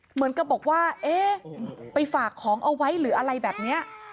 เหมือนกับบอกว่าเอ๊ะไปฝากของเอาไว้หรืออะไรแบบนี้